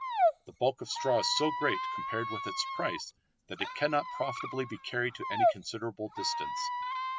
The bulk of straw is so great compared with its price that it cannot profitably be carried to any considerable distance.